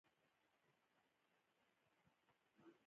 د ټرانسپورت پراختیا د صنعت انقلاب ته لار هواره کړه.